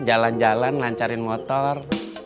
jalan jalan lancarin motor